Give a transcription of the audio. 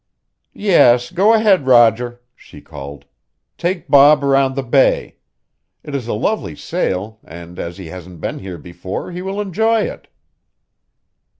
"Yes, go ahead, Roger," she called. "Take Bob round the bay. It is a lovely sail and as he hasn't been here before he will enjoy it."